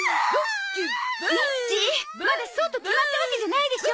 まだそうと決まったわけじゃないでしょ？